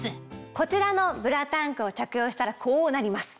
こちらのブラタンクを着用したらこうなります。